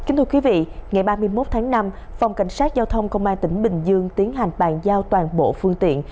ngày ba mươi một tháng năm phòng cảnh sát giao thông công an tỉnh bình dương tiến hành bàn giao toàn bộ phương tiện